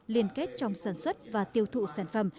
liên kết trong sản xuất và tiêu thụ sản phẩm